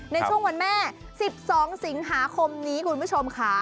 ในช่วงวันแม่๑๒สิงหาคมนี้คุณผู้ชมค่ะ